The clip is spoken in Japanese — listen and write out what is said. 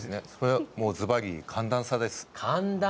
ずばり寒暖差です。